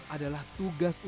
adalah tugas mereka